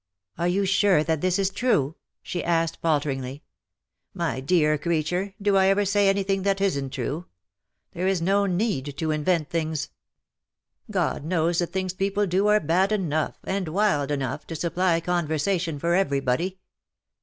" Are you sure that this is true T' she asked, falteringly. '^ My dear creature, do I ever say anything that isn't true ? There is no need to invent thina^s. 240 LE SECRET DE POLICHINELLE. God knows the tilings people do are bad enough, and wild enough, to supply conversation for every body.